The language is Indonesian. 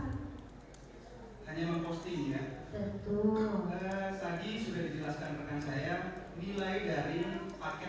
apakah mou sebuah pusat udara saksi di periksa di balai spesifikasi di jakarta